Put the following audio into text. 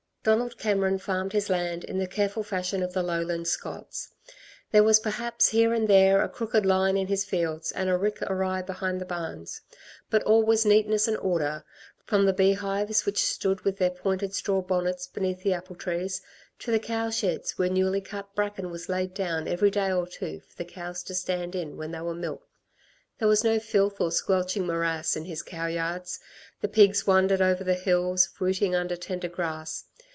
Donald Cameron farmed his land in the careful fashion of the Lowland Scots. There was perhaps here and there a crooked line in his fields and a rick awry behind the barns. But all was neatness and order, from the beehives which stood with their pointed straw bonnets beneath the apple trees, to the cowsheds, where newly cut bracken was laid down every day or two for the cows to stand in when they were milked. There was no filth or squelching morass in his cow yards. The pigs wandered over the hills rooting under the tender grass.